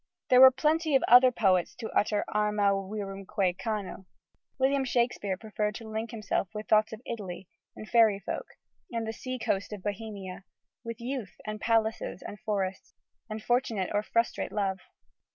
There were plenty of other poets to utter Arma virumque cano. William Shakespeare preferred to link himself with thoughts of Italy, and fairy folk, and "the sea coast of Bohemia," with youth and palaces and forests, and fortunate or frustrate love.